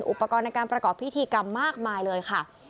อุปกรณ์ในการประกอบพิธีกรรมมากมายเลยค่ะ